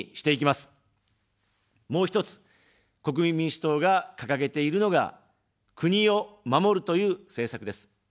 もう１つ、国民民主党が掲げているのが、国を守るという政策です。